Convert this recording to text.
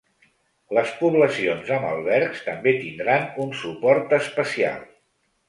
Les poblacions amb albergs també tindran un suport especial.